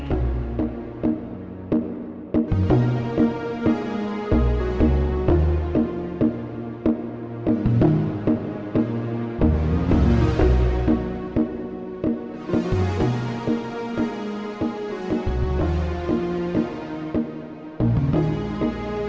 gimana caranya ya